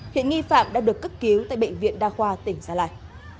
hiện nghi phạm đã được cấp cứu tại bệnh viện đa khoa tỉnh gia lai